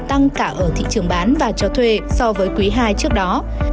tăng cả ở thị trường bán và cho thuê so với quý ii trước đó